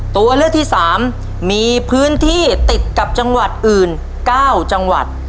ตัวเลือกที่๓มีพื้นที่ติดกับจังหวัดอื่น๙จังหวัด